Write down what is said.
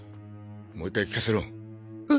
もう一回聞かせろえ？